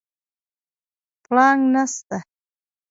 پړانګ نسته